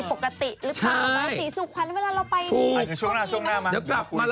ปฏิสุขภัณฑ์เวลาเราไปถูกช่วงหน้ามาจะกลับมาเล่าให้ฟัง